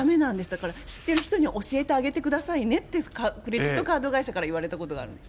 だから知ってる人に教えてあげてくださいねって、クレジットカード会社から言われたことがあるんです。